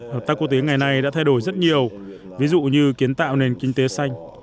hợp tác quốc tế ngày nay đã thay đổi rất nhiều ví dụ như kiến tạo nền kinh tế xanh